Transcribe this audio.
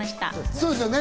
そうですね。